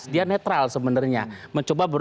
dia netral sebenarnya mencoba